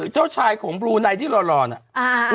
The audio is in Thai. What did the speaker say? เจ้าชายของบลูนายที่รอนน่ะ